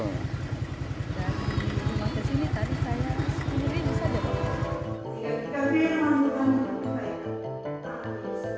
rumah ke sini tadi saya sepuluh saja